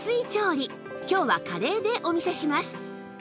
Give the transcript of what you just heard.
今日はカレーでお見せします